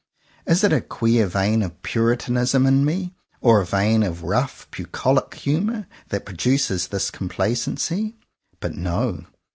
Is it a queer vein of Puritanism in me, or a vein of rough bucolic humour, that produces this complacency.? But, no!